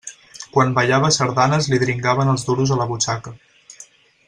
Quan ballava sardanes li dringaven els duros a la butxaca.